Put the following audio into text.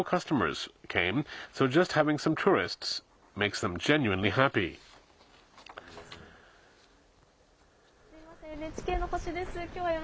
すみません、ＮＨＫの星です。